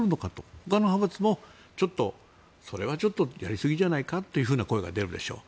ほかの派閥もそれはちょっとやりすぎじゃないかという声も出るでしょう。